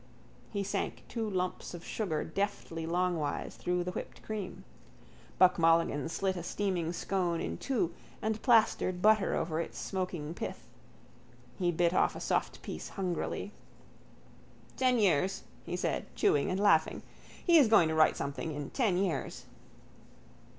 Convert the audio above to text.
He sank two lumps of sugar deftly longwise through the whipped cream. Buck Mulligan slit a steaming scone in two and plastered butter over its smoking pith. He bit off a soft piece hungrily. —Ten years, he said, chewing and laughing. He is going to write something in ten years.